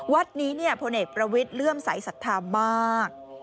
วัดนี้พลเอกประวิทย์เลื่อมใสสัทธามาก